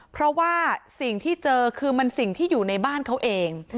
เพราะว่าสิ่งที่เจอคือมันสิ่งที่อยู่ในบ้านเขาเอง